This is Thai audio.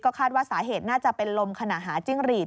คาดว่าสาเหตุน่าจะเป็นลมขณะหาจิ้งหรีด